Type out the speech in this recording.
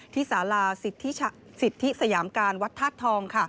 ที่สาลาสิทธิสยามการวัดธัดทอง